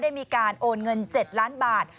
มีการโอนเงิน๗ล้านบาท